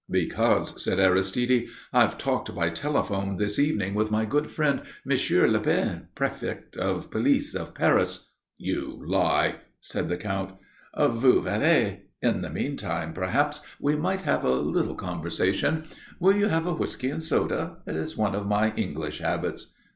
"Because," said Aristide, "I've talked by telephone this evening with my good friend Monsieur Lepine, Prefect of Police of Paris." "You lie," said the Count. "Vous verrez. In the meantime, perhaps we might have a little conversation. Will you have a whisky and soda? It is one of my English habits."